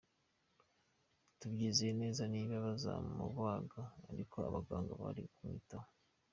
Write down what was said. tubyizeye neza niba bazamubaga ariko abaganga bari kumwitaho.